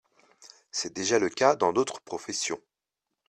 C’est déjà le cas dans d’autres professions.